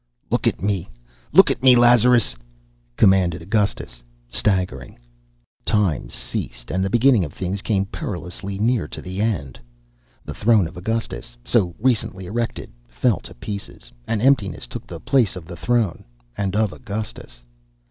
"Look at me, look at me, Lazarus!" commanded Augustus, staggering... Time ceased and the beginning of things came perilously near to the end. The throne of Augustus, so recently erected, fell to pieces, and emptiness took the place of the throne and of Augustus.